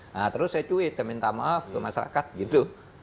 nah terus saya cuit saya minta maaf ke masyarakat gitu